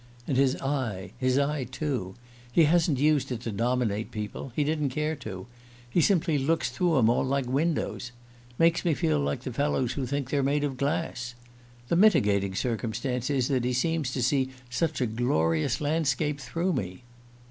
And his eye his eye too. He hasn't used it to dominate people: he didn't care to. He simply looks through 'em all like windows. Makes me feel like the fellows who think they're made of glass. The mitigating circumstance is that he seems to see such a glorious landscape through me."